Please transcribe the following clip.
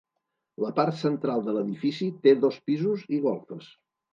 La part central de l'edifici té dos pisos i golfes.